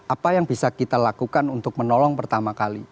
apa yang bisa kita lakukan untuk menolong pertama kali